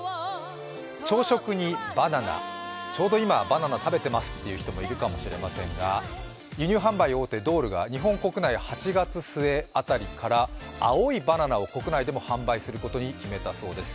朝食にバナナ、今ちょうどバナナを食べてますという人もいるかもしれませんが輸入販売大手、ドールが日本国内８月末辺りから青いバナナを国内でも販売することに決めたそうです。